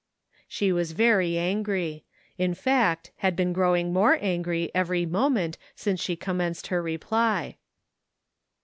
She was very angry ; in fact, had been grow ing more angry every moment since she com menced her reply.